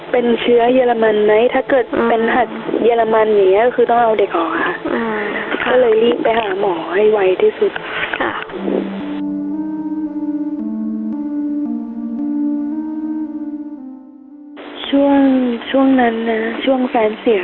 เป็นเชื้อเยยรมันไหมถ้าเกิดเป็นหัดเยยรมันอย่างนี้